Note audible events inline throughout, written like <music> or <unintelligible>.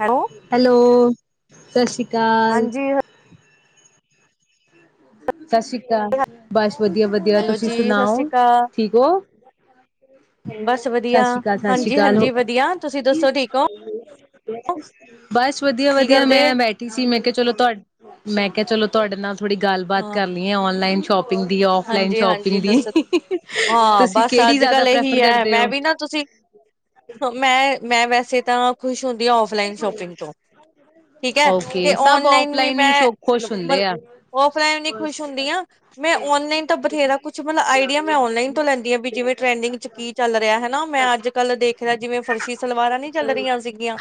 Hello hello ਸਤਿ ਸ਼੍ਰੀ ਅਕਾਲ ਕਾਲ ਹਾਂਜੀ ਸਤਿ ਸ਼੍ਰੀ ਅਕਾਲ ਬਸ ਵਧੀਆ ਵਧੀਆ ਹੈਲੋ ਤੁਸੀਂ ਜੀ ਸਤਿ ਸ੍ਰੀ ਸੁਣਾਓ ਅਕਾਲ ਠੀਕ ਹੋ ਬਸ ਸਤਿ ਵਧੀਆ ਸ੍ਰੀ ਅਕਾਲ ਸਤਿ ਸ੍ਰੀ ਹਾਂਜੀ ਅਕਾਲ ਹੋ ਹਾਂਜੀ ਵਧੀਆ ਤੁਸੀਂ ਦੱਸੋ ਠੀਕ ਹੋ ਬਸ ਵਧੀਆ ਕੀ ਵਧੀਆ ਕਰਦੇ ਮੈਂ ਬੈਠੀ ਸੀ ਮੈਂ ਕਿਹਾ ਚਲੋ ਤੁਹਾ ਮੈਂ ਕਿਹਾ ਚਲੋ ਤੁਹਾਡੇ ਨਾਲ ਥੋੜੀ ਗੱਲ ਬਾਤ ਹਾਂ ਔਨਲਾਈਨ ਸ਼ੋਪਿੰ ਹਾਂਜੀ ਹਾਂਜੀ ਦੱਸੋ ਹਾਂ ਤੁਸੀਂ ਬਸ ਕਿਹੜੀ ਅੱਜ ਜ਼ਿਆਦਾ ਕੱਲ ਪ੍ਰੈਫਰ ਇਹੀ ਹੈ ਕਰਦੇ ਹੋ? ਮੈਂ ਵੀ ਨਾ ਤੁਸੀਂ ਮੈਂ ਮੈਂ ਵੈਸੇ ਤਾਂ ਖੁਸ਼ ਹੁੰ ਔਫਲੈਣ ਸ਼ੋਪਿੰਗ ਤੋਂ ਠੀਕ ਹੈ ਤੇ ਓਕੇ, ਸਭ ਆਨਲਾਈਨ ਵੀ ਔਫਲਾਈਨ ਹੀ ਸ਼ੋ ਖੁਸ਼ ਮੈਂ ਹੁੰਦੇ ਆ। ਔਫਲੈਨ ਖੁਸ਼ ਹੁੰਦੀ ਆ ਮੈਂ ਨਹੀਂ ਤਾਂ ਬਥੇਰਾ ਕੁਛ ਮਤਲਬ ਆਈਡੀਆ ਮੈਂ ਔਨਲਾਈਨ ਤੋਂ ਲੈਂਦੀ ਹਾਂ ਵੀ ਜਿਵੇਂ ਟਰੈਂਡਿੰਗ ਚ ਕੀ ਚੱਲ ਰਿਹਾ ਹੈਾ। ਮੈਂ ਅੱਜ ਕੱਲ ਦੇਖ ਰਿਹਾ ਜਿਵੇਂ ਫਰਸ਼ੀ ਸਲਵਾਰਾਂ ਨੀ ਚੱਲ ਰਹੀਆਂ ਸੀਗੀਆਂ।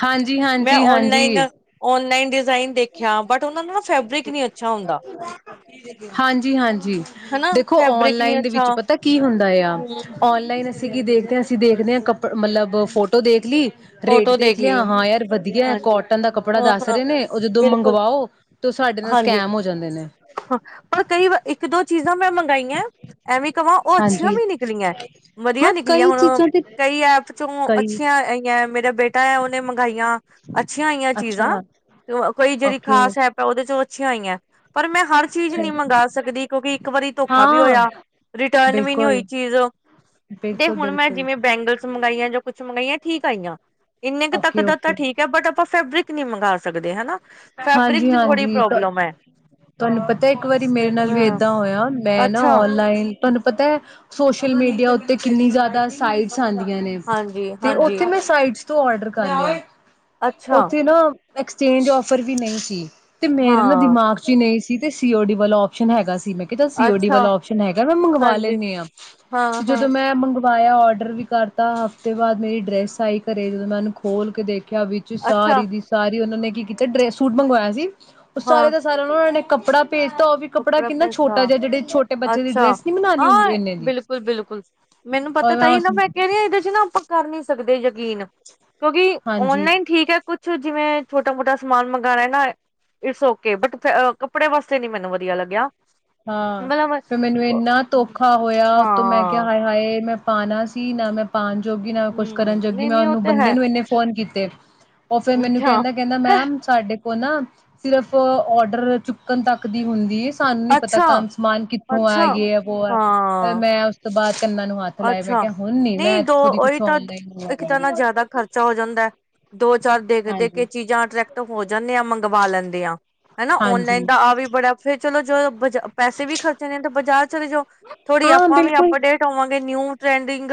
ਮੈਂ ਹਾਂਜੀ-ਹਾਂਜੀ, ਹਾਂਜੀ। ਔਨਲਾਈਨ ਹਾਂਜੀ ਦਾ ਔਨਲਾਈਨ ਦੇਖਿਆ ਬਟ ਉਹਨਾਂ ਦਾ ਨਾ ਫੈਬਰਿਕ ਨਹੀਂ ਅੱਛਾ ਹੁੰਦਾ। ਹਾਂਜੀ ਹਾਂਜੀ ਹਨਾ ਦੇਖੋ ਫੈਬਰਿਕ ਨੀ ਔਨਲਾਈਨ ਦੇ ਵਿੱਚ ਅੱਛਾ ਪਤਾ ਕੀ ਹੁੰਦਾ ਆ, ਹੂੰ ਔਨਲਾਈਨ ਅਸੀਂ ਕੀ ਦੇਖਦੇ ਹਾਂ ਅਸੀਂ ਦੇਖ ਲੇਸ ਕੱਪੜ ਮਤਲਬ ਫੋਟੋ ਦੇਖ ਲਈ। ਰੇਟ ਫੋਟੋ ਦੇਖ ਲਈ ਲਿਆ ਹਾਂ ਯਾਰ ਵਧੀਆ, ਹਾਂਜੀ ਕੋਟਨ ਦਾ ਕੱਪੜਾ ਦੱਸ ਹਾਂ-ਹਾਂ ਰਹੇ ਨੇ। ਓਥੋਂ ਬਿਲਕੁਲ ਮੰਗਵਾਓ ਤੇ ਸਾਡੇ ਨਾਲ ਹਾਂਜੀ ਸਕੈਮ ਹੋ ਜਾਂਦੇ ਨੇ। ਪਰ ਕਈ ਵਾਰ ਇੱਕ ਦੋ ਚੀਜ਼ਾਂ ਮੈਂ ਮੰਗਾਈਆਂ ਐਵੇਂ ਕਵਾਂ ਉਹ ਅੱਛੀਆਂ ਹਾਂਜੀ ਵੀ ਨਿਕਲੀਆਂ, ਵਧੀਆ ਹਾਂ ਨਿਕਲੀਆਂ ਕਈ ਹੁਣ ਚੀਜ਼ਾਂ ਤੇ ਕਈ ਐਪ ਚੋਂ ਕਈ ਅੱਛੀਆਂ ਆਇਆਂ ਮੇਰਾ ਬੇਟਾ ਹੈ ਉਹਨੇ ਮੰਗਾਈਆਂ ਅੱਛੀਆਂ ਆਈਆਂ, ਚੀਜ਼ਾਂ ਅੱਛਾ ਤੇ ਕੋਈ ਜਿਹੜੀ ਓਕੇ ਖਾਸ ਐਪ ਉਹਦੇ ਚ ਅਛਿਆ ਆਇਆ ਪਰ ਮੈਂ ਹਰ ਚੀਜ਼ ਅੱਛਾ ਨੀ ਮੰਗ ਸਕਦੀ ਕਿਉਂਕਿ ਇੱਕ ਵਾਰੀ ਧੋਖਾ ਵੀ ਹਾਂ ਹੋਇਆ। ਰਿਟਰਨ ਵੀ ਨੀ ਬਿਲਕੁਲ ਹੋਈ ਚੀਜ਼। ਤੇ ਬਿਲਕੁਲ ਹੁਣ ਮੈਂ ਬਿਲਕੁਲ ਜਿਵੇਂ ਬੈਂਗਲਜ਼- ਮੰਗਾਈਆਂ, ਜੌ ਕੁਛ ਮੰਗਾਈਆਂ ਠੀਕ ਆਈਆਂ। ਇੰਨੇ ਕੁ ਤੱਕ ਓਕੇ ਦਾ ਤਾਂ ਓਕੇ ਠੀਕ ਹੈ ਬਟ ਆਪਾਂ ਫ਼ਬ੍ਰਿਕ ਨਹੀਂ, ਮੰਗਵਾ ਸਕਦੇ ਹਨਾ? ਫੈਬਰਿਕ ਹਾਂਜੀ, ਚ ਥੋੜ੍ਹੀ ਹਾਂਜੀ। ਪ੍ਰੋਬਲਮ ਹੈ ਤੁਹਾਨੂੰ ਪਤਾ ਇੱਕ ਵਾਰੀ ਮੇਰੇ ਨਾਲ ਵੀ ਹਾਂ ਏਦਾਂ ਹੋਇਆ ਮੈਂ ਨਾ ਅੱਛਾ। ਔਨਲਾਈਨ ਤੁਹਾਨੂੰ ਪਤਾ ਹੈ ਸੋਸ਼ਲ ਮੀਡੀਆ ਉੱਤੇ ਕਿੰਨੀ ਜ਼ਿਆਦਾ ਸਾਈਡਜ਼ ਜਾਂਦੀਆਂ ਨੇ ਹਾਂਜੀ, ਤੇ ਹਾਂਜੀ ਉੱਥੇ ਮੈਂ ਸਾਈਡਸ ਤੂੰ ਔਰਡਰ ਕਰ ਦੇ। ਅੱਛਾ ਓਥੇ ਨਾ ਐਕਸਚੇਂ ਵਸ ਸਫ਼ਰ ਵੀ ਨਹੀਂ ਸੀ। ਤੇ ਮੇਰੇ ਨਾ ਹਾਂ, ਦਿਮਾਗ ਚ ਹੀ ਨਹੀਂ ਸੀ ਜੀ ਅਤੇ ਸੀ ਓ ਡੀ ਵੱਲੋਂ ਓਪਸ਼ਨ ਹੈਗਾ ਸੀ ਮੈਂ ਸੀਓ ਡੀ ਅੱਛਾ ਵਾਲਾ ਸ਼ਨ ਹੈਗਾ ਮੈਂ ਮੰਗਵਾ ਹਾਂਜੀ ਲੈਂਦੀ ਹਾਂ ਹਾਂ, ਤੇ ਹਾਂ ਜਦੋਂ ਮੈਂ ਮੰਗਵਾਇਆ ਡਰ ਵੀ ਕਰਤਾ ਹਫ਼ਤੇ ਬਾਅਦ ਮੇਰੀ ਡਰੈੱਸ ਆਈ ਘਰੇ ਜਦੋਂ ਮੈਂ ਉਹਨੂੰ ਖੋਲ ਕੇ ਦੇਖ ਆ ਵਿੱਚ ਅੱਛਾ ਸਾਰੀ ਦੀ ਸਾਰੀ ਉਹਨਾਂ ਨੇ ਅਤੇ ਡਰੈਸ ਸੂਟ ਮੰਗਵਾਇਆ ਸੀ ਉਹ ਸਾਰੇ ਹਾਂ ਦਾ ਸਾਰਿਆਂ ਉਹਨਾਂ ਨੇ ਕਪੜਾ ਕੱਪੜਾ ਪੈਸਾ ਛੋਟੇ ਬੱਚੇ ਦੀ ਅੱਛਾ ਡਰੈਸ ਨੀ ਬਣਾਉਣੀ ਹੁੰਦੀ ਹਾਂ ਇੰਨੇ ਦੀ ਬਿਲਕੁਲ ਬਿਲਕੁਲ ਮੈਨੂੰ ਪਤਾ ਤ ਹੀ ਨਾ ਮੈਂ ਕਹਿ ਹ ਇਹਦੇ ਚ ਨਾ ਆਪਾਂ ਕਰਨੀ ਸਕਦੇ ਯਕੀਨ ਕਿਉਂਕਿ ਹਾਂਜੀ ਔਨਲਾਈਨ ਠੀਕ ਹੈ ਕੁਛ ਜਿਵੇਂ ਛੋਟਾ ਮੋਟਾ ਸਮਾਨ ਮੰਗਵਾਉਣਾ ਨਾ ਇਟਸ ਓਕੇ ਬਟ ਕੱਪੜੇ ਵਾਸਤੇ ਨੀ ਮੈਨੂੰ ਵਧੀਆ ਲੱਗਿਆ ਹਾਂ ਮਤਲਬ ਫ ਮੈਨੂੰ ਇੰਨਾ ਧੋਖਾ ਹੋਇਆ ਉਤੋਂ ਮੈਂ ਕਿਹਾ ਹਾਂ ਹਾਏ ਹਾਏ ਮੈਂ ਪਾਣਾ ਸੀ ਨਾ ਮੈਂ ਪਾਉਣ ਜੋਗੀ ਨਾ ਕੁਛ ਕਰਨ ਹਮ ਜੋਗੀ ਨਹੀਂ, ਮੈਂ ਨਹੀਂ ਉਹ ਉਹਨੂੰ ਤੇ ਬੰਦੇ ਹੈ ਨੂੰ ਇੰਨੇ ਫੋਨ ਕੀਤੇ ਉਹ ਫਿਰ ਮੈਨੂੰ ਅੱਛਾ, ਕਹਿੰਦਾ ਕਹਿੰਦਾ ਮੈਮ ਸਾਡੇ ਨਾ ਸਿਰਫ ਔਡਰ ਚੁੱਕਣ ਤੱਕ ਦੀ ਹੁੰਦੀ ਹੈ ਪਤਾ ਅੱਛਾ, ਕੰਮ ਸਮਾਨ ਕਿੱਥੋਂ ਆ ਅੱਛਾ ਇਹ ਹੈ ਵੋ ਹੈ ਫ ਹਾਂ ਮੈਂ ਉਸ ਤੋਂ ਬਾਅਦ ਕੰਨਾਂ ਨੂੰ ਹੱਥ ਲਾਏ ਮੈਂ ਅੱਛਾ ਕਿਹਾ ਹੁਣ ਨੀ ਮੈਂ ਨਹੀਂ ਦੋ ਇੱਥੋਂ ਦੀ ਉਹੀ ਕੁਛ ਤਾਂ ਔਨਲਾਈਨ ਇੱਕ ਤਾਂ ਮੰਗਵਾਉਂਗੀ ਨਾ ਜ਼ਿਆਦਾ ਖਰਚਾ ਹੋ ਜਾਂਦਾ ਦੋ ਚਾਰ ਦੇਖਦੇ ਕੇ ਹਾਂਜੀ ਚੀਜ਼ਾਂ ਅਟਰ੍ਰੈਕਟਿਵ ਹੋ ਜਾਂਦੇ ਆ ਮੰਗਵਾ ਲੈਂਦੇ <unintelligible> ਹਨਾ ਔਨਲਾਈਨ ਹਾਂਜੀ ਦਾ ਆ ਵੀ ਬੜਾ ਫੇਰ ਚਲੋ ਜੋ ਪੈਸੇ ਵੀ ਖਰਚੇਣੇ ਤੇ ਬਾਜਾਰ ਚਲੇ ਜਾ ਥੋੜ੍ਹੀ ਹਾਂ ਆਪਾਂ ਵੀ ਬਿਲਕੁਲ ਅਪਡੇਟ ਆਵਾਂਗੇ ਨਿਊ ਟਰੈਂਡਿੰਗ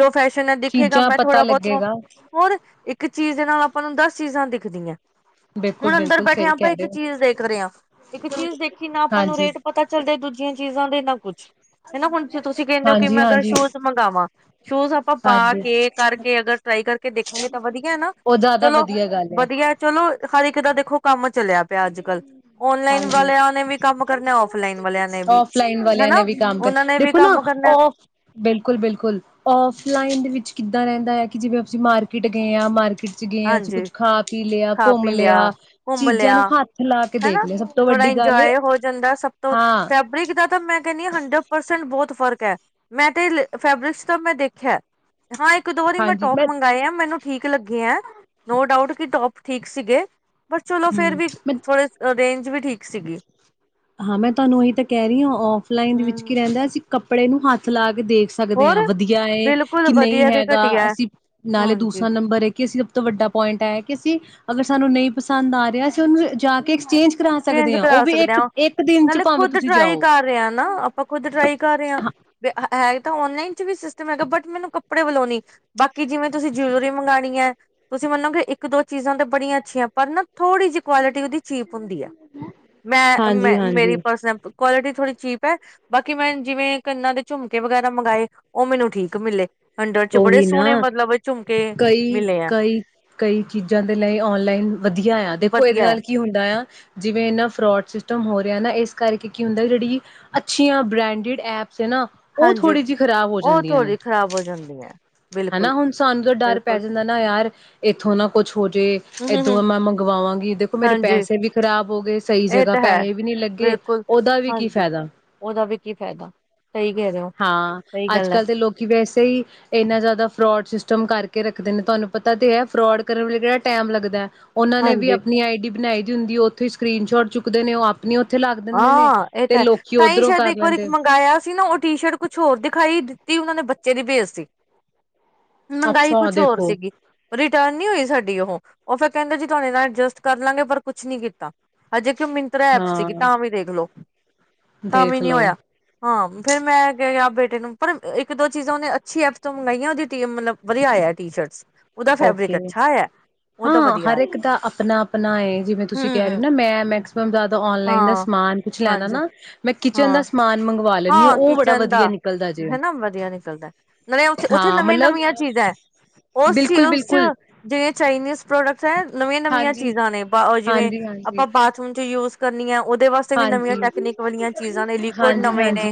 ਜੋ ਫੈਸ਼ਨ ਹੈ ਦਿਖੇਗਾ ਚੀਜ਼ਾਂ ਮੈਂ ਪਤਾ ਥੋੜਾ ਬਹੁਤ ਲੱਗੇਗਾ ਹੋਰ ਇੱਕ ਚੀਜ਼ ਦੇ ਨਾਲ ਆਪਾਂ ਨੂੰ ਦਸ ਚੀਜ਼ਾਂ ਦਿਖਦੀਆਂ ਬਿਲਕੁਲ ਹੁਣ ਅੰਦਰ ਬਿਲਕੁਲ ਬੈਠੇ ਸਹੀ ਆਪਾਂ ਕਹਿ ਇੱਕ ਰਹੇ ਹੋ ਚੀਜ਼ ਦੇਖ ਰਹੇ ਹਾਂ ਇੱਕ ਚੀਜ਼ ਦੇਖੀ ਨਾ ਆਪਾਂ ਨੂੰ ਹਾਂਜੀ ਰੇਟ ਪਤਾ ਚੱਲਦਾ ਦੂਜੀਆਂ ਚੀਜ਼ਾਂ ਦੇ ਨਾ ਕੁਛ ਹਨਾ, ਹੁਣ ਜੋਤੁਸੀਂ ਕਹਿੰਨੇ ਓ ਮੈਂ ਅਗਰ ਹਾਂਜੀ-ਹਾਂਜੀ, ਸ਼ੂਜ ਮੰਗਾਵਾਂ, ਸ਼ੂਜ ਆਪਾਂ ਪਾ ਹਾਂਜੀ ਕੇ ਹਾਂਜੀ ਕਰਕੇ, ਅਗਰ ਟ੍ਰਾਈ ਕਰਕੇ ਦੇਖਾਂਗੇ, ਤਾਂ ਵਧੀਆ ਨਾ, ਉਹ ਜ਼ਿਆਦਾ ਚਲੋ ਵਧੀਆ ਗੱਲ ਆ। ਵਧੀਆ ਚਲੋ ਹਰ ਇੱਕ ਦਾ ਦੇਖੋ ਕੰਮ ਚਲਿਆ ਪਿਆ ਅੱਜ ਕੱਲ, ਔਨਲਾਈਨ ਹਾਂਜੀ, ਵਾਲਿਆਂ ਨੇ ਵੀ ਕੰਮ ਕਰਨਾ, ਔਫਲਾਈਨ ਵਾਲਿਆਂ ਨੇ ਵੀ, ਔਫਲਾਈਨ ਵਾਲਿਆਂ ਹੈਨਾ, ਉਹਨਾਂ ਨੇ ਵੀ ਕੰਮ ਕਰਨਾ ਬਿਲਕੁਲ, ਬਿਲਕੁਲ, ਔਫਲਾਈਨ ਵੀ ਵਿੱਚ ਕਿੱਦਾਂ ਰਹਿੰਦਾ ਐ, ਕਿ ਜਿਵੇਂ ਅਸੀਂ ਮਾਰਕੀਟ ਗਏ ਆਂ, ਮਾਰਕੀਟ 'ਚ ਗਏ ਆਂ, ਅਸੀਂ ਹਾਂਜੀ ਕੁੱਛ ਖਾ-ਪੀ ਲਿਆ, ਖਾ ਘੁੰਮ ਪੀ ਲਿਆ, ਘੁੰਮ ਚੀਜ਼ਾਂ ਲਿਆ ਨੂੰ ਹੱਥ ਲਾ ਕੇ ਦੇਖ ਹਨਾ? ਲਿਆ ਸਭ ਤੋਂ ਥੋੜਾ ਵੱਡੀ ਗੱਲ ਏ ਇੰਜੋਏ ਹੋ ਜਾਂਦਾ ਸਭ ਤੋਂ, ਹਾਂ, ਫੈਬਰਿਕ ਦਾ ਤਾਂ ਮੈਂ ਕਹਿੰਦੀ ਹਾਂ ਹੰਡਰਡ ਪਰਸੈਂਟ ਬਹੁਤ ਫ਼ਰਕ ਐ, ਮੈਂ ਤੇ ਲੇ ਫੈਬਰਿਕਸ ਤੋਂ ਮੈਂ ਦੇਖਿਆ। ਹਾਂ ਇੱਕ ਦੋ ਵਾਰੀ ਮੈਂ ਟੋਪ ਮੰਗਾਏ ਆ, ਮੈਨੂੰ ਠੀਕ ਲੱਗੇ ਆ ਨੋ ਡਾਊਟ ਕਿ ਟੋਪ ਠੀਕ ਸੀਗੇ ਬਟ ਚਲੋ ਹੂੰ ਫੇਰ ਵੀ ਮੈਂ ਥੋੜੇ ਰੇਂਜ ਵੀ ਠੀਕ ਸੀਗੀ। ਹਾਂ ਮੈਂ ਤੁਹਾਨੂੰ ਇਹੀ ਤਾਂ ਕਹਿ ਰਹੀ ਹਾਂ, ਔਫਲਾਈਨ ਦੇ ਵਿੱਚ ਕੀ ਹਮ ਰਹਿੰਦਾ ਸੀ ਕੱਪੜੇ ਨੂੰ ਹੱਥ ਲਾ ਕੇ ਦੇਖ ਸਕਦੇ ਆਂ, ਹੋਰ ਵਧੀਆ ਏ ਬਿਲਕੁਲ ਕਿ ਨਹੀਂ ਵਧੀਆ ਹੈਗਾ, ਘਟੀਆ ਅਸੀਂ ਨਾਲੇ ਹਾਂਜੀ ਦੂਸਰਾ ਨੰਬਰ ਇਹ ਕਿ ਅਸੀਂ ਸਭ ਤੋਂ ਵੱਡਾ ਪੁਆਇੰਟ ਆਇਆ ਕਿ ਅਸੀਂ ਅਗਰ ਸਾਨੂੰ ਨਹੀਂ ਪਸੰਦ ਆ ਰਿਹਾ, ਅਸੀਂ ਉਹਨੂੰ ਜਾ ਕੇ ਐਕਸਚੇਂਜ ਕਰਾ ਚੇਂਜ ਸਕਦੇ ਆ, ਉਹ ਕਰਾ ਵੀ ਸਕਦੇ ਹਾਂ ਇੱਕ ਇੱਕ ਦਿਨ ਚ ਨਾਲੇ ਭਾਵੇਂ ਖੁਦ ਤੁਸੀਂ ਟਰਾਈ ਜਾਓ ਕਰ ਰਹੇ ਆਂ ਨਾ, ਆਪਾਂ ਖੁਦ ਟਰਾਈ ਕਰ ਰਹੇ ਆਂ। ਵੇ ਆਹ ਹੈ ਤਾਂ ਔਨਲਾਈਨ 'ਚ ਵੀ ਸਿਸਟਮ ਹੈਗਾ, ਬਟ ਮੈਨੂੰ ਕੱਪੜੇ ਵਲੋਂ ਨੀ, ਬਾਕੀ ਜਿਵੇਂ ਤੁਸੀਂ ਜੁਲਰੀ ਮੰਗਾਣੀ ਐ, ਤੁਸੀਂ ਮੰਨੋਗੇ ਇੱਕ ਦੋ-ਚੀਜ਼ਾਂ ਤੇ ਬੜੀਆਂ ਅੱਛੀਆਂ, ਪਰ ਨਾ ਥੋੜ੍ਹੀ ਜਿਹੀ ਕੁਆਲਿਟੀ ਉਹਦੀ ਚੀਪ ਹੁੰਦੀ ਐ। ਮੈਂ, ਹਾਂਜੀ ਮੈਂ, ਮੇਰੀ ਹਾਂਜੀ ਪਰਸਨ ਕੁਆਲਿਟੀ ਥੋੜੀ ਚੀਪ ਐ, ਬਾਕੀ ਮੈਂ ਜਿਵੇਂ ਕੰਨਾਂ ਦੇ ਝੁਮਕੇ ਵਗੈਰਾ ਮੰਗਵਾਏ, ਉਹ ਮੈਨੂੰ ਠੀਕ ਮਿਲੇ। ਹੰਡਰਡ ਚ ਬੜੇ ਉਹੀ ਨਾ, ਸੋਹਣੇ ਮਤਲਬ ਝੁਮਕੇ ਕਈ, ਮਿਲੇ ਆ ਕਈ, ਕਈ ਚੀਜ਼ਾਂ ਦੇ ਲਈ ਔਨਲਾਈਨ ਵਧੀਆ ਆ, ਦੇਖੋ ਇਹਦੇ ਵਧੀਆ ਨਾਲ ਕੀ ਹੁੰਦਾ ਆ ਜਿਵੇਂ ਇਹਨਾ ਫਰੋਡ ਸਿਸਟਮ ਹੋ ਰਿਹਾ ਨਾ, ਇਸ ਕਰਕੇ ਕੀ ਹੁੰਦਾ ਜਿਹੜੀ ਅੱਛੀਆਂ ਬ੍ਰੈਂਡਿਡ ਐਪ ਸ ਨਾ, ਉਹ ਹਾਂਜੀ ਥੋੜ੍ਹੀ ਜਿਹੀ ਖ਼ਰਾਬ ਹੋ ਉਹ ਜਾਂਦੀਆਂ ਨੇ। ਥੋੜ੍ਹੀ ਖ਼ਰਾਬ ਹੋ ਜਾਂਦੀ ਹੈ ਹੈਨਾ, ਬਿਲਕੁਲ ਹੁਣ ਸਾਨੂੰ ਤਾਂ ਡਰ ਪੈ ਬਿਲਕੁਲ ਜਾਂਦਾ ਨਾ ਯਾਰ, ਇੱਥੋਂ ਨਾ ਕੁਛ ਹੋ ਜੇ ਹਮ ਹਮ ਹਮ ਏਦੋਂ ਮੈਂ ਮੰਗਵਾਵਾਂਗੀ, ਦੇਖੋ ਮੇਰੇ ਹਾਂਜੀ ਪੈਸੇ ਵੀ ਖਰਾਬ ਹੋ ਗਏ, ਸਹੀ ਇਹ ਜਗ੍ਹਾ ਤਾਂ ਹੈ ਪੈਹੇ ਵੀ ਨੀ ਲੱਗੇ, ਬਿਲਕੁਲ ਉਹਦਾ ਵੀ ਕੀ ਹਾਂਜੀ ਫਾਇਦਾ। ਉਹਦਾ ਵੀ ਕੀ ਫਾਇਦਾ ਸਹੀ ਕਹਿ ਰਹੇ ਹੋ ਹਾਂ, ਸਹੀ ਅੱਜ ਗੱਲ ਹੈ ਕੱਲ ਦੇ ਲੋਕੀ ਵੈਸੇ ਹੀ ਇੰਨਾ ਜ਼ਿਆਦਾ ਫਰੌਡ ਸਿਸਟਮ ਕਰਕੇ ਰੱਖਦੇ ਨੇ, ਤੁਹਾਨੂੰ ਪਤਾ ਤੇ ਹੈ ਫਰੌਡ ਕਰਨ ਵੇਲੇ ਕਿਹੜਾ ਟਾਈਮ ਲੱਗਦੈ। ਉਹਨਾਂ ਨੇ ਵੀ ਹਾਂਜੀ ਆਪਣੀ ਆਈ ਡੀ ਬਣਾਈ ਦੀ ਹੁੰਦੀ, ਉਹ ਉੱਥੇ ਸਕਰੀਨ ਸ਼ੋਟ ਚੁੱਕਦੇ ਨੇ ਉਹ ਆਪ ਹਾਂ ਇਹ ਤਾਂ ਤਾਂ ਹੀ ਉੱਧਰੋਂ ਸ਼ਾਇਦ ਕਰ ਇੱਕ ਵਾਰ ਇੱਕ ਲੈਂਦੇ ਮੰਗਾਇਆ ਸੀ ਨਾ ਉਹ ਟੀ ਸ਼ਰਟ ਕੁਛ ਹੋਰ ਦਿਖਾਈ ਦਿਤ ਤੇ ਉਹਨਾਂ ਦੇ ਬੱਚੇ ਦੇ ਪੇਜ ਤੇ। ਮੰਗਾਈ ਅੱਛਾ ਕੁਛ ਹੋਰ ਦੇਖੋ ਸੀਗੀ ਰਿਟਰਨ ਨਹੀਂ ਹੋਈ ਸਾਡ ਉਹ ਉਹ ਫਿਰ ਕਹਿੰਦੇ ਜੀ ਤੁਹਾਨੇ ਤਾਂ ਐਡਜਸਟ ਕਰ ਲਾਂਗੇ ਪਰ ਕੁਛ ਨੀ ਕੀਤਾ ਹਜੇ ਮਿੰਤਰਾ ਐਪ ਹਾਂ ਸੀਗੀ ਤਾਂ ਵੀ ਦੇਖਲੋ ਤਾਂ ਵੀ ਦੇਖ ਨੀ ਲਓ ਹੋਇਆ, ਹਾਂ ਫੇਰ ਮੈਂ ਕਯਾ ਬੇੇ ਪਰ ਇੱਕ ਦੋ ਚੀਜ਼ਾਂ ਉਹਨੇ ਅੱਛੀ ਐੱਪ ਤੋਂ ਮੰਗਆਂ ਉਹ ਮਤਲਬ ਵਧੀਆ ਆਇਆ ਟੀ ਸ਼ਰਟਸ ਉਹਦਾ ਓਕੇ ਫੈਬਰਿਕ ਅੱਛਾ ਆਇਆ ਉਹਦਾ ਹਾਂ ਵਧੀਆ ਹਰ ਇੱਕ ਦਾ ਆਪਣਾ ਆਪਣਾ ਹੈ ਜਿਵੇਂ ਤੁਸੀਂ ਆਇਆ ਕਹਿ ਰਹੇ ਹੋ ਹਮ ਨਾ ਮੈਂ ਮੈਕਸੀਮਮ ਜ਼ਿਆਦਾ ਔਨਲਾਈਨ ਦਾ ਹਾਂ, ਸਮਾਨ ਕੁਛ ਲੈਣਾ ਹਾਂਜੀ, ਨਾ ਮੈਂ ਕਿਚਨ ਦਾ ਹਾਂ, ਸਮਾਨ ਮੰਗ ਹਾਂ ਕਿਚਨ ਦਾ ਹਨਾ ਵਧੀਆ ਨਿਕਲਦਾ ਨੇ ਉਥੇ ਉੱਥੇ ਹਾਂ ਨਵੀਂ ਮਤਲਬ ਨਵੀਆਂ ਚੀਜ਼ਾਂ ਹੈ ਉਸ ਚ ਬਿਲਕੁਲ ਚ ਬਿਲਕੁਲ ਜਿਹੜੇ ਚਾਈਨੀਜ਼ ਪ੍ਰੋਡਕਟਸ ਹੈ ਨਵੀਆਂ ਨਵੀਆਂ ਹਾਂਜੀ, ਚੀਜ਼ਾਂ ਨੇ ਜਿਵੇਂ ਹਾਂਜੀ, ਹਾਂਜੀ, ਆਪਾਂ ਬਾਥਰੂਮ ਚ ਯੂ ਕਰਨੀਆਂ ਉਹ ਦੇ ਵਾਸਤੇ ਵੀ ਨਵੀਆਂ ਹਾਂਜੀ, ਟੈਕਨੀਕ ਵਾਲੀਆਂ ਚੀਜ਼ਾਂ ਨੇ ਲਿਕੁਡ ਨਵੇਂ ਨੇ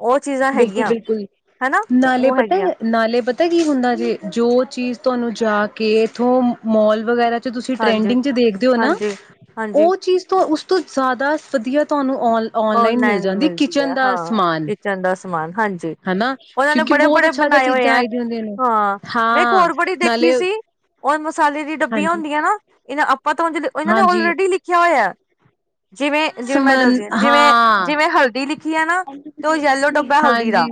ਉਹ ਚੀਜ਼ਾਂ ਹੈਗੀਆਂ ਹਨਾ ਨਾਲੇ ਉਹ ਪਤਾ ਹੈਗੀਆਂ ਨਾਲੇ ਪਤ ਪਤਾਂ ਕੀ ਹੁੰਦਾ ਜੇ ਜੋ ਚੀਜ਼ ਤੁਹਾਨੂੰ ਜਾ ਕੇ ਇੱਥੋਂ ਮੋਲ ਵਗੈਰਾ ਤੁਸੀਂ ਹਾਂਜੀ, ਟਰੈਂਡਿੰਗ ਚ ਦੇਖਦੇ ਹੋ ਨਾ ਹਾਂਜੀ, ਹਾਂਜੀ ਉਹ ਚੀਜ਼ ਤੋਂ ਉਸ ਤੋਂ ਜ਼ਿਆਦਾ ਵਧੀਆ ਤੁਹਾਨੂੰ ਔਨ ਔਨਲਾਈਨ ਮਿਲ ਓਨਲਾਈਨ ਜਾਂਦੀ ਮਿਲਦੀ ਕਿਚਨ ਹੈ ਦਾ ਹਾਂ ਸਮਾਨ ਕਿਚਨ ਦਾ ਸਮਾਨ ਹਾਂਜੀ ਹਨਾ ਉਹਨਾਂ ਨੇ ਕਿਉਂਕਿ ਬਹੁਤ ਬੜੇ-ਬੜੇ ਅੱਛਾ ਅੱਛਾ ਬਣਾਏ ਹੋਏ ਚੀਜ਼ਾਂ ਹੈ ਆਈ ਦੀਆਂ ਹੁੰਦੀਆਂ ਨੇ ਹਾਂ ਮੈਂ ਇੱਕ ਹਾਂ ਹੋਰ ਬੜੀ ਦੇਖੀ ਨਾਲੇ ਸੀ ਉਹ ਮਸਾਲੇ ਦੀ ਡੱਬੀਆਂ ਹਾਂਜੀ ਹੁੰਦੀਆਂ ਨਾ ਇਹਦਾਂ ਆਪ ਪਤਾ ਇਹਨਾਂ ਨੇ ਹਾਂਜੀ ਆਲਰੇੜੀ ਲਿਖਿਆ ਹੋਇਆ। ਜਿਵੇਂ ਜਿਵੇਂ ਮੈਂ ਸਮਨ ਦੱਸਦੀ ਜਿਵੇਂ ਹਾਂ ਜਿਵੇਂ ਹਲਦੀ ਲਿਖੀ ਆ ਨਾ ਤੇ ਉਹ ਯੈਲੋ ਡੱਬਾ ਹਲਦੀ ਦਾ ਹਾਂਜੀ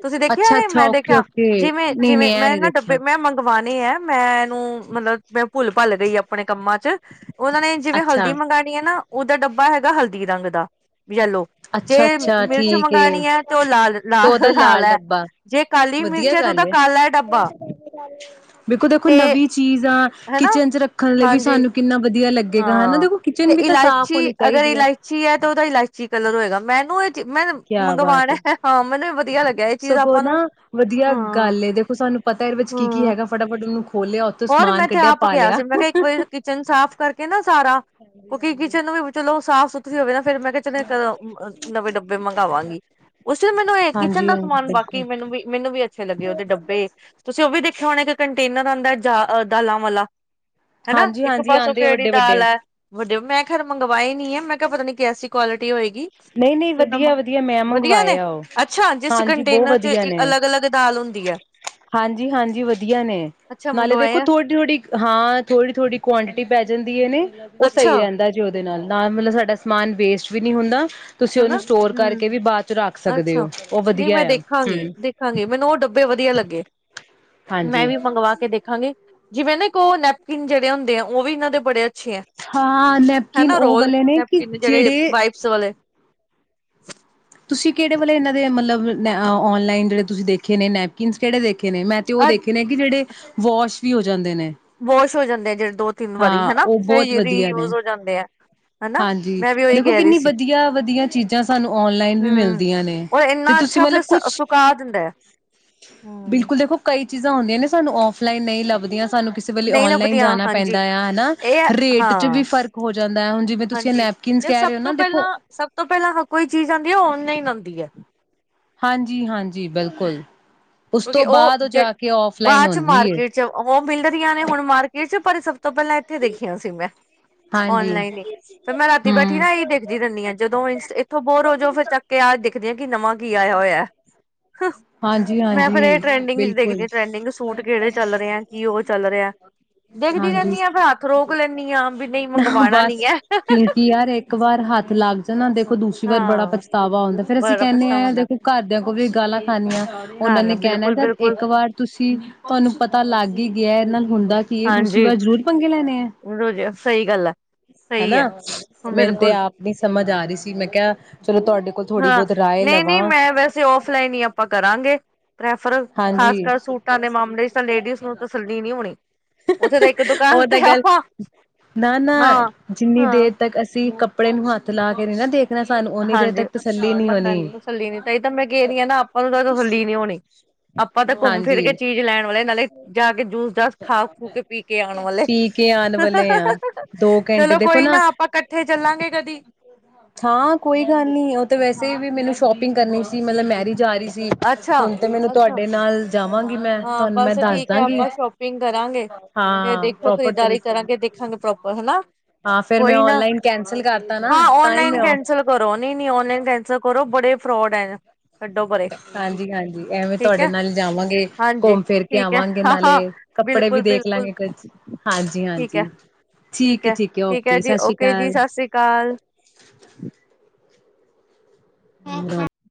ਤੁਸੀਂ ਦੇਖਿਆ ਇਹ ਅੱਛਾ-ਅੱਛਾ, ਮੈਂ ਦੇਖਿਆ ਓਕੇ-ਓਕੇ, ਜਿਵੇਂ ਜਿਵੇਂ ਨਹੀਂ-ਨਹੀਂ ਐ ਮੈਂ ਨੀ ਨਾ ਦੇਖਿਆ। ਡੱਬੇ ਮੈਂ ਮੰਗਵਾਣੇ ਆ ਮੈਂ ਮੈਂ ਇਹਨੂੰ ਮਤਲਬ ਮੈਂ ਪੁਲ-ਪਾਲ ਗਈ ਆਪਣੇ ਕੰਮਾਂ ਚ ਉਹਨਾ ਨੇ ਜਿਵੇਂ ਅੱਛਾ, ਹਲਦੀ ਮੰਗਵਾਉਣੀ ਹੈ ਨਾ ਉਹਦਾ ਡੱਬਾ ਹੈਗਾ ਹਲਦੀ ਰੰਗ ਦਾ। ਯੈਲੋ ਜੇ ਅੱਛਾ-ਅੱਛਾ ਮਿਰਚ ਠੀਕ ਮੰਗਵਾਉਣੀ ਹੈ ਉਹ ਲਾਲ ਤੇ ਉਹਦਾ ਲਾਲ ਹੈ ਡੱਬਾ ਜੇ ਕਾਲੀ ਮਿਰਚ ਵਧੀਆ ਤੇ ਗੱਲ ਉਹਦਾ ਹੈ ਕਾਲਾ ਡੱਬਾ ਦੇੇਖੋ-ਦੇਖੋ ਤੇ ਨਵੀਂ ਚੀਜ਼ ਆ ਹਨਾ ਕਿਚਨ ਚ ਰੱਖਣ ਲਈ ਵੀ ਹਾਂਜੀ ਸਾਨੂੰ ਕਿੰਨਾ ਵਧੀਆ ਲੱਗੇਗਾ ਹਨਾ, ਹਾਂ, ਦੇਖੋ ਤੇ ਕਿਚਨ ਵੀ ਤਾਂ ਸਾਫ਼ ਇਲਾਇਚੀ ਹੋਣੀ ਅਗਰ ਚਾਹੀਦੀ ਐ। ਇਲਾਇਚੀ ਹੈ ਤਾਂ ਉਹਦਾ ਇਲਾਇਚੀ ਕਲਰ ਹੋਏਗਾ। ਮੈਨੂੰ ਇਹ ਚੀ- ਮੈਂ ਕਿਆ ਬਾਤ ਮੰਗਵਾਉਣਾ ਹੈ, ਹਾਂ ਮੈਨੂੰ ਇਹ ਵਧੀਆ ਲੱਗਿਆ ਇਹ ਚੀਜ਼ ਸਗੋਂ ਆਪਾਂ ਨਾ ਨੂੰ ਵਧੀਆ ਹਾਂ ਗੱਲ ਏ ਦੇਖੋ ਸਾਨੂੰ ਪਤਾ ਇਹਦੇ ਵਿੱਚ ਕੀ ਕੀ ਹਾਂ ਹੈਗਾ ਫਟਾਫਟ ਉਹਨੂੰ ਖੋਲਿਆ ਉੱਥੋਂ ਹੋਰ ਮੈਂ ਸਮਾਨ ਇੱਥੇ ਕੱਢਿਆ ਆਪ ਪਾ ਕਿਹਾ ਲਿਆ। ਸੀ, ਮੈਂ ਕਿਹਾ ਇੱਕ ਵਾਰੀ ਕਿਚਨ ਸਾਫ਼ ਕਰਕੇ ਨਾ ਸਾਰਾ, ਕਿਉਂਕਿ ਹਾਂਜੀ-ਹਾਂਜੀ। ਕਿਚਨ ਨੂੰ ਵੀ ਚਲੋ ਸਾਫ਼ ਸੁਥਰਾ ਤੁਸੀਂ ਹੋਵੇ ਨਾ ਫੇਰ ਮੈਂ ਕਿਹਾ ਚਲੋ <unintelligible> ਨਵੇਂ ਡੱਬੇ ਮੰਗਵਾਂਗੀ, ਉਸ ਮੈਨੂੰ ਇਹ ਕਿਚਨ ਦਾ ਹਾਂਜੀ-ਹਾਂਜੀ, ਸਮਾਨ ਬਾਕੀ ਬਿਲਕੁਲ, ਮੈਨੂੰ ਵੀ ਮੈਨੂੰ ਵੀ ਅੱਛੇ ਲੱਗੇ ਉਹਦੇ ਡੱਬੇ, ਤੁਸੀਂ ਉਹ ਵੀ ਦੇਖਿਆ ਹੋਣਾ। ਇੱਕ ਕੰਟੇਨਰ ਆਉਂਦਾ ਦਾ ਆ ਦਾਲਾਂ ਵਾਲਾ ਹਨਾ ਇੱਕ ਹਾਂਜੀ-ਹਾਂਜੀ ਪਾਸੋਂ ਆਂਦੇ ਆ ਕਿਹੜੀ ਵੱਡੇ-ਵੱਡੇ। ਦਾਲ ਹੈ, ਵਧੀਆ ਮੈਂ ਖੈਰ ਮੰਗਵਾਈ ਨੀ ਆ, ਮੈਂ ਕਿਹਾ ਪਤਾ ਨੀ ਕੈਸੀ ਕੁਆਲਿਟੀ ਹੋਏ ਗੀ ਨਹੀਂ ਨਹੀਂ ਫਿਰ ਮੈਂ ਵਧੀਆ ਵਧੀਆ ਵਧੀਆ ਮੰਗਵਾਏ ਨੇ ਆ ਉਹ ਅੱਛਾ ਜਿਸ ਹਾਂਜੀ ਬਹੁਤ ਕੰਟੇਨਰ ਚ ਵਧੀਆ ਨੇ ਅਲੱਗ ਅਲੱਗ ਦਾਲ ਹੁੰਦੀ। <unintelligible> ਹਾਂਜੀ, ਹਾਂਜੀ ਵਧੀਆ ਨੇ। ਅੱਛਾ ਨਾਲੇ ਦੇਖੋ ਮੰਗਵਾਇਆ ਥੋੜੀ ਥੋੜੀ ਹਾਂ, ਥੋੜੀ ਥੋੜੀ ਕੁਆਂਟਿਟੀ ਪੈ ਜਾਂਦੀ। ਦਿੰਦੀਆਂ ਨੇ ਅੱਛਾ <unintelligible> ਤੇ ਨਾਲ ਨਾਲ ਮਤਲਬ ਸਾਡਾ ਸਮਾਨ ਵੇਸਟ ਵੀ ਨਹੀਂ ਹੁੰਦਾ। ਤੁਸੀਂ ਹਨਾ, ਉਹਨੂੰ ਸਟੋਰ ਕਰਕੇ ਹੂੰ, ਵੀ ਬਾਅਦ ਚ ਰੱਖ ਸਕਦੇ ਅੱਛਾ ਹੋ ਉਹ ਨਹੀਂ ਵਧੀਆ ਮੈਂ ਆ ਹਮ ਦੇਖਾਂਗੀ, ਦੇਖਾਂਗੀ ਮੈਨੂੰ ਉਹ ਡੱਬੇ ਵਧੀਆ ਲੱਗੇ। ਮੈਂ ਹਾਂਜੀ ਵੀ ਮੰਗਵਾ ਕੇ ਦੇਖਾਂਗੀ। ਜਿਵੇਂ ਨਾ ਇੱਕ ਉਹ ਨੈਪਕਿਨ ਜਿਹੜੇ ਹੁੰਦੇ ਆ, ਉਹ ਵੀ ਇਹਨਾਂ ਦੇ ਬੜੇ ਅੱਛੇ ਹੈ ਹਾਂ, ਨੈਪਕਿਨ ਹਨਾ ਉਹ ਰੋਲ ਵਾਲੇ ਨੇ ਕਿ ਨੈਪਕਿਨ ਜਿਹੜੇ ਵਾਈਪਸ <unintelligible> ਤੁਸੀਂ ਕਿਹੜੇ ਵਾਲੇ ਇਹਨਾਂ ਦੇ ਮਤਲਬ, ਆਨਲਾਈਨ ਜਿਹੜੇ ਤੁਸੀਂ ਦੇਖੇ ਨੇ ਨੈਪਕਿਨ ਕਿਹੜੇ ਦੇਖੇ ਦੇਖੇ ਨੇ, ਮੈਂ ਤੇ ਉਹ ਅ ਦੇਖੇ ਨੇ ਕਿ ਜਿਹੜੇ, ਵਾਸ਼ ਵੀ ਹੋ ਜਾਂਦੇ ਨੇ। ਵਾਸ਼ ਹੋ ਜਾਂਦੇ ਆ ਜਿਹੜੇ ਦੋ ਤਿੰਨ ਵਾਰੀ ਹਾਂ ਹਨਾ, ਉਹ ਬਹੁਤ ਵਧੀਆ ਰੀਯੂਜ ਨੇ ਹੋ ਜਾਂਦੇ ਆ ਹਨਾ, ਹਾਂਜੀ ਮੈਂ ਵੀ ਉਹੀ ਦੇਖੋ ਕਹਿ ਰਹੀ ਸੀ। ਆਨਲਾਇਨ ਵੀ ਹੂੰ ਮਿਲਦੀਆਂ ਨੇ, ਔਰ ਤੇ ਇੰਨਾ ਤੁਸੀਂ ਅੱਛਾ ਫਿਰ ਮਤਲਬ ਕੁਛ, ਸੁਕਾ ਦਿੰਦਾ ਹੈ। ਬਿਲਕੁਲ ਦੇਖੋ ਕਈ ਚੀਜ਼ਾਂ ਹੁੰਦੀਆਂ ਨੇ ਸਾਨੂੰ ਔਫਲਾਈਨ ਨਹੀਂ ਲੱਭਦੀਆਂ। ਸਾਨੂੰ ਕਿਸੇ ਵੇ ਨਹੀਂ ਆਨਲਾਈਨ ਲੱਭਦੀਆਂ ਜਾਣਾ ਹਾਂਜੀ ਪੈਂਦਾ ਆ, ਹਨਾ ਇਹ ਰੇਟ ਹਾਂ ਚ ਵੀ ਫਰਕ ਹੋ ਜਾਂਦਾ, ਹੁਣ ਜਿਵੇ ਤੁਸੀਂ ਹਾਂਜੀ ਨੈਪਕਿਨ ਤੇ ਕਹਿ ਸਭ ਰਹੇ ਹੋੋ, ਜਾਂਦੀ ਆ ਆਨਲਾਇਨ ਆਂਉਦੀ ਹੈ। ਹਾਂਜੀ-ਹਾਂਜੀ, ਬਿਲਕੁਲ। ਉਸ ਕਿਉਂਕਿ ਤੋਂ ਉਹ ਬਾਅਦ ਜੇ ਜਾ ਕੇ ਔਫਲਾਈਨ ਬਾਅਦ ਚ ਹੁੰਦੀ ਹੈ ਮਾਰਕੀਟ ਚ ਹੋ ਮਿਲਰੀਆਂ ਨੇ ਹੁਣ ਮਾਰਕੀਟ ਚ, ਪਰ ਤੋਂ ਪਹਿਲਾਂ ਇੱਥੇ ਦੇਖੀਆਂ ਸੀ ਮੈਂ ਹਾਂਜੀ ਔਨਲਾਈਨ ਹੀ, ਫਿਰ ਮੈਂ ਰਾਤੀ ਬੈਠੀ ਹਮ ਨਾ ਇ ਦੇਖਦੀ ਰਿੰਦੀ ਹਾਂ। ਜਦੋਂ ਉੱਥ ਬੋਰ ਹੋ ਜਾੳ ਫਿਰ ਚੱਕ ਆ ਦੇਖ ਕਿ ਨਵਾਂ ਕੀ ਆਇਆ ਹੋਇਆ। ਹਾਂਜੀ ਮੈਂ ਫਿਰ ਹਾਂਜੀ ਇਹ ਟਰੈਂਡਿੰਗ ਚ ਦੇਖਦੀ ਬਿਲਕੁਲ ਹਾਂ, ਟਰੈਂਡਿੰਗ ਸੂਟ ਕਿਹੜੇ ਚੱਲ ਰਿਹੇ ਆ ਕੀ ਉਹ ਚੱਲ ਰਿਹਾ ਦੇਖਦੀ ਰਹਿੰਦੀ ਹ ਹਾਂਜੀ ਵੀ ਹੱਥ ਰੋਕ ਲੇਨੀਆ ਬਸ ਕਿਉਂਕਿ ਯਾਰ ਇੱਕ ਵਾਰ ਹੱਥ ਲੱਗ ਜਾਣਾ ਦੇਖੋ ਦੂਸਰੀ ਵਾਰ ਬੜਾ ਹਾਂ ਪਛਤਾਵਾ ਹਉਂਦਾ। ਫੇਰ ਅਸੀਂ ਬੜਾ ਕਹਿੰਦੇ ਪਛਤਾਵਾ ਹਾਂ ਹੁੰਦਾ ਦੇਖੋ ਘਰਦਿਆਂ ਕੋਲ ਵੀ ਗਾਲਾਂ ਖਾਨਣੀਆਂ ਘਰ ਉਹਨਾਂ ਨਾ ਨੇ ਕਹਿਣਾ ਬਿਲਕੁਲ ਜ ਬਿਲਕੁਲ ਇੱਕ ਵਾਰ ਤੁਸੀਂ ਤੁਹਾਨੂੰ ਪਤਾ ਲੱਗ ਹੀ ਗਿਆ ਗਏ ਨਾ ਹੁੰਦਾ ਕੀ ਇਹ ਦੂਸਰੀ ਹਾਂਜੀ ਵਾਰ ਜ਼ਰੂਰ ਪੰਗੇ ਲੈਣੇ ਆ ਰੋਜ਼ ਸਹੀ ਗੱਲ ਹੈ ਸਹੀ ਹਨਾ ਹੈ ਮੈਨੂੰ ਤੇ ਬਿਲਕੁਲ ਆਪ ਨ ਸਮਝ ਆ ਰਹੀ ਸੀ ਮੈਂ ਕਿਹਾ ਚਲੋ ਤੁਹਾਡੇ ਕੋਲ ਥੋੜ੍ਹੀ ਹਾਂ ਬਹੁਤ ਰਾਏ ਨਹੀਂ ਲਵਾਂ ਨਹੀਂ ਮੈਂ ਵੈਸੇ ਔਫਲਾਈਨ ਹੀ ਆਪਾਂ ਕਰਾਂਗੇ ਪ੍ਰੈਫਰ ਹਾਂਜੀ ਖਾਸ ਕਰ ਸੂਟਾਂ ਦੇ ਮਾਮਲੇ ਚ ਤਾਂ ਲੇਡੀਜ਼ ਨੂੰ ਤਸੱਲੀ ਨਹੀਂ ਹੋਣੀ ਉੱਥੇ ਤਾਂ ਇੱਕ ਉਹ ਦੁਕਾਨ ਤਾਂ ਤੇ ਗੱਲ ਆਪਾਂ ਨਾ ਨਾ ਹਾਂ ਜਿੰਨੀ ਦੇਰ ਹਾਂ ਤੱਕ ਅਸੀਂ ਕੱਪੜੇ ਨੂੰ ਹੱਥ ਲਾ ਕੇ ਨਾ ਦੇਖ ਹਾਂਜੀ ਪਤਾ ਨੀ ਤਸੱਲੀ ਨੀ ਤ ਤਾਂ ਮੈਂ ਕਹਿਦੀ ਹਾਂ ਨਾ ਆਪਾਂ ਨੂੰ ਤਾਂ ਤਸੱਲੀ ਨੀ ਹੋਣੀ ਆਪਾਂ ਤਾਂ ਘੁੰਮ ਫਿਰ ਕੇ ਹਾਂਜੀ ਚੀਜ਼ ਲੈਣ ਵਾਲੇ ਨਾਲੇ ਜਾ ਕੇ ਜੂਸ ਜਸ ਖਾ ਖੂ ਕੇ ਪੀ ਕੇ ਆਉਣ ਵਾਲੇ ਪੀ ਕੇ ਆਣ ਵਾਲੇ ਆ ਦੋ ਘੰਟੇ ਚਲੋ ਦੇਖੋ ਕੋਈ ਨਾ ਆਪਾਂ ਇਕੱਠੇ ਚੱਲਾਂਗੇ ਕਦੀ ਹਾਂ ਕੋਈ ਗੱਲ ਨਹੀਂ ਉਹ ਤਾਂ ਵੈਸੇ ਵੀ ਮੈਨੂੰ ਸ਼ੋਪਿੰਗ ਕਰਨੀ ਸੀ ਮਤਲਬ ਮੈਰਿਜ ਜਾ ਰਹੀ ਸੀ ਅੱਛਾ ਹੁਣ ਤੇ ਮੈਨੂੰ ਅੱਛਾ ਤੁਹਾਡੇ ਨਾਲ ਜਾਵਾਂਗੇ ਹਾਂ ਬਸ ਠੀਕ ਹੈ ਆਪਾਂ ਸ਼ੋਪਿੰਗ ਕਰਾਂਗੇ ਤੇ ਹਾਂ ਦੇਖਿਓ ਪ੍ਰੋਪਰ ਖਰੀਦਦਾਰੀ ਤਰੀਕੇ ਕਰਾਂਗੇ ਨਾਲ ਦੇਖਾਂਗੇ ਪ੍ਰੋਪਰ ਹਨਾ ਹਾਂ ਫੇਰ ਮੈਂ ਕੋਈ ਨਾ ਔਨਲਾਈਨ ਕੈਂਸਲ ਕਰਤਾ ਨਾ ਹਾਂ ਤਾਂ ਹੀ ਓਨਲਾਈਨ ਮੈਂ ਕੈਂਸਲ ਕਰੋ ਨਹੀਂ ਨੀ ਓਨਲਾਈਨ ਕੈਂਸਲ ਕਰੋ ਬੜੇ ਫਰੋਡ ਹੈ ਪਰੇ ਹਾਂਜੀ ਹਾਂਜੀ ਐਵੇਂ ਠੀਕ ਤੁਹਾਡੇ ਹੈ ਨਾਲ ਜਾਵਾਂਗੇ ਹਾਂਜੀ ਘੁੰਮ ਫਿਰ ਕੇ ਠੀਕ ਹੈ ਆਵਾਂਗੇ ਹਾਂ ਨਾਲੇ ਹਾਂ ਕੱਪੜੇ ਵੀ ਬਿਲਕੁਲ ਦੇਖ ਬਿਲਕੁਲ ਲਾਂਗੇ ਕੁਝ ਹਾਂਜੀ ਠੀਕ ਹੈ ਹਾਂਜੀ ਠੀਕ ਠੀਕ ਹੈ ਓਕੇ ਜੀ ਸਤਿ ਸ਼੍ਰੀ ਓਕੇ ਜੀ ਅਕਾਲ ਸਤਿ ਸ੍ਰੀ ਅਕਾਲ ਹ